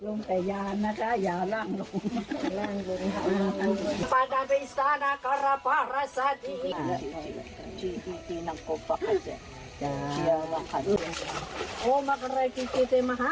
ลงแต่ยานนะคะอย่าล่างลงล่างลงค่ะอ่า